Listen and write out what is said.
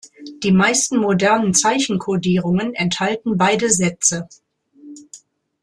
Die meisten modernen Zeichenkodierungen enthalten beide Sätze.